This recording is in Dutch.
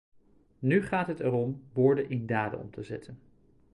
Nu gaat het erom, woorden in daden om te zetten.